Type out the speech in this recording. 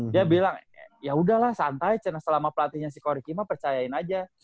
dia bilang ya udahlah santai cene selama pelatihnya si kori kima percayain aja